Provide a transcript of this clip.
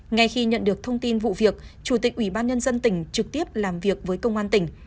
ngay khi nhận được thông tin vụ việc chủ tịch ủy ban nhân dân tỉnh trực tiếp làm việc với công an tỉnh